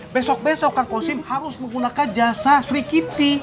besok besok kak kosim harus menggunakan jasa sri kiti